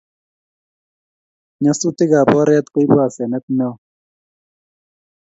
Nyasutikab oret koibu asenet neo